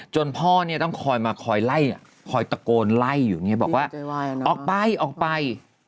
พ่อเนี่ยต้องคอยมาคอยไล่คอยตะโกนไล่อยู่เนี่ยบอกว่าออกไปออกไป